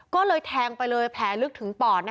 ก็เลยแทงไปเลยแผลลึกถึงปอด